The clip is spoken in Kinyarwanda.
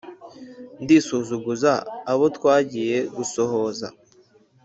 Ndi Suzuguza abo twagiye gusohoza